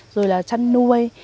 rồi là chăn nuôi